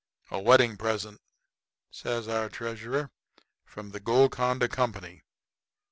"A wedding present," says our treasurer, "from the Golconda Company.